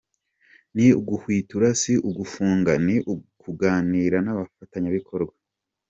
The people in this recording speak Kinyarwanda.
Ni uguhwitura si ugufunga; ni ukuganira n’abafatanyabikorwa.